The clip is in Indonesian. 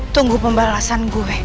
tunggu pembahasan gue